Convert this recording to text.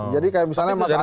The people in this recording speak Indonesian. jadi kayak misalnya mas anies